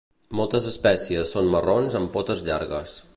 Moltes espècies són marrons amb potes llargues.